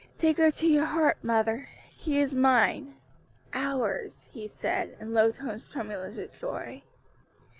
"Take her to your heart, mother; she is mine ours!" he said, in low tones tremulous with joy.